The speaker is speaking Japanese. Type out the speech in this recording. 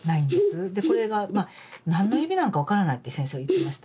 でこれがまあ何の指なのか分からないって先生は言ってました。